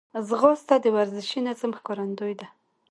ځغاسته د ورزشي نظم ښکارندوی ده